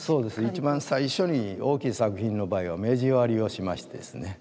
一番最初に大きい作品の場合は目地割りをしましてですね